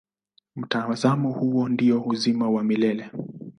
Mtazamo huo ndio uzima wa milele.